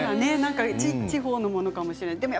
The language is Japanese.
地方のものかもしれないですね。